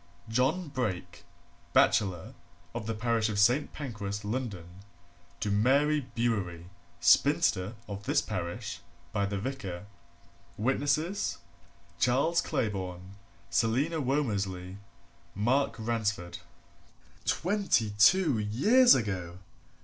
John Brake, bachelor, of the parish of St. Pancras, London, to Mary Bewery, spinster, of this parish, by the Vicar. Witnesses, Charles Claybourne, Selina Womersley, Mark Ransford. Twenty two years ago!